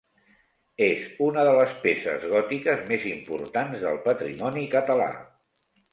És una de les peces gòtiques més importants del patrimoni català.